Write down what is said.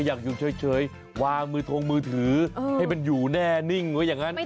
อยากอย่างเฉยวางมือถนมือถือให้เขาอยู่แน่นิ่ง